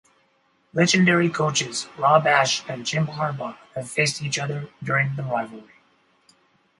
Legendary coaches Rob Ash and Jim Harbaugh have faced each other during the rivalry.